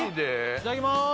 いただきます